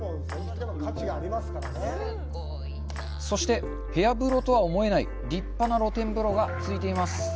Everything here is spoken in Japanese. そして、部屋風呂とは思えない立派な露天風呂がついています。